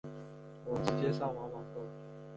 我直接上网网购